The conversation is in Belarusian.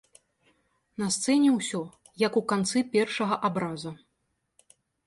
На сцэне ўсё, як у канцы першага абраза.